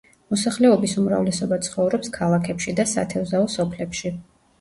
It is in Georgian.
მოსახლეობის უმრავლესობა ცხოვრობს ქალაქებში და სათევზაო სოფლებში.